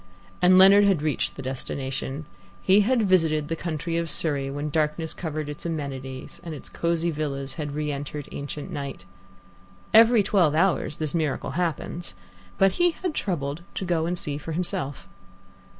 And Leonard had reached the destination. He had visited the county of Surrey when darkness covered its amenities, and its cosy villas had re entered ancient night. Every twelve hours this miracle happens, but he had troubled to go and see for himself.